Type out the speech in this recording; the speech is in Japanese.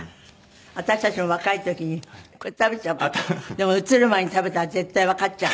でも映る前に食べたら絶対わかっちゃう。